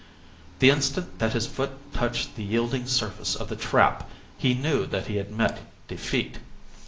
The instant that his foot touched the yielding surface of the trap, he knew that he had met defeat.